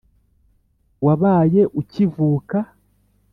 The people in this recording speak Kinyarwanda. Wabaye ukivuka